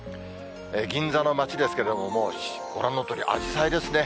銀座の街ですけれども、もうご覧のとおり、あじさいですね。